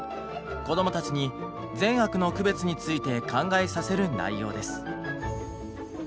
こどもたちに善悪の区別について考えさせる内容です。